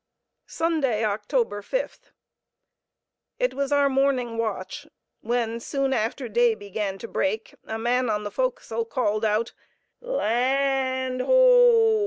Sunday, Oct. 5th. It was our morning watch; when, soon after day began to break, a man on the forecastle called out, "Land ho!"